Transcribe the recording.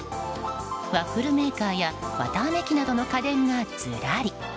ワッフルメーカーやわたあめ機などの家電がずらり。